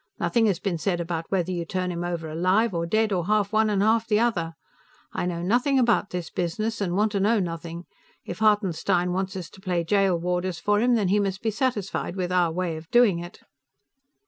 Nothing has been said about whether you turn him over alive, or dead, or half one and half the other. I know nothing about this business, and want to know nothing; if Hartenstein wants us to play gaol warders for him, then he must be satisfied with our way of doing it!"